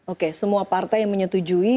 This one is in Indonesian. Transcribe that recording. oke semua partai yang menyetujui